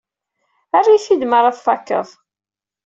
Err-it-id m ara tfakkeḍ.